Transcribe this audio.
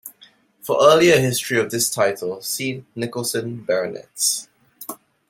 For earlier history of this title, see Nicolson Baronets.